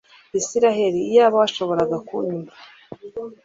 Israheli iyaba washoboraga kunyumva